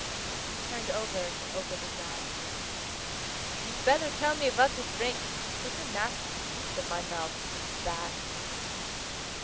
He turned over and opened his eyes. "You'd better tell me what to drink; such a nasty taste in my mouth, that...."